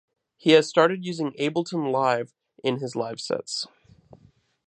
He has started using Ableton Live in his live sets.